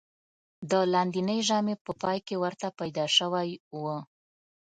د لاندېنۍ ژامې په پای کې ورته پیدا شوی و.